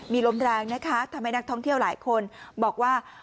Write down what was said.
มีลมแรงนะคะทำให้นักท่องเที่ยวหลายคนบอกว่า